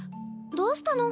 どうしたの？